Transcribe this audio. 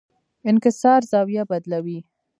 انکسار زاویه بدلوي.